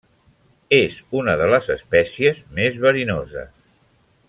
És una de les espècies més verinoses.